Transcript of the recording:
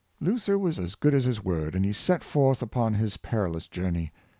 " Luther was as good as his word, and he set forth upon his perilous journey.